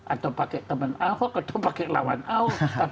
atau pakai teman ahok atau pakai lawan ahok